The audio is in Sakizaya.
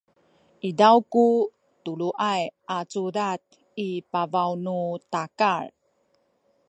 izaw ku tuluay a cudad i pabaw nu takal